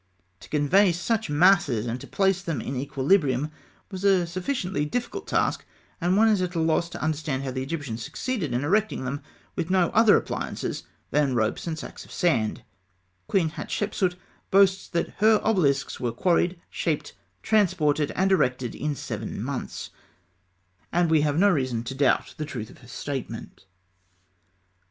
To convey such masses, and to place them in equilibrium, was a sufficiently difficult task, and one is at a loss to understand how the Egyptians succeeded in erecting them with no other appliances than ropes and sacks of sand. Queen Hatshepsût boasts that her obelisks were quarried, shaped, transported, and erected in seven months; and we have no reason to doubt the truth of her statement. [Illustration: Fig. 109. Obelisk of Ûsertesen I., Begig, Fayûm.